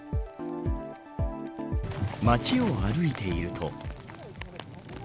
町を歩いていると。